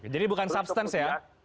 jadi bukan substance ya